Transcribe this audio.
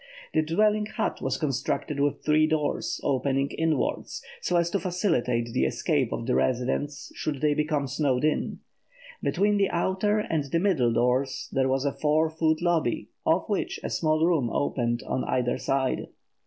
The dwelling hut was constructed with three doors, opening inwards, so as to facilitate the escape of the residents should they become snowed in. Between the outer and the middle doors there was a four foot lobby, off which a small room opened on either side.